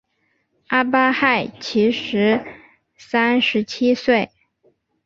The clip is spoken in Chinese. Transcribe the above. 阿巴亥其时三十七岁。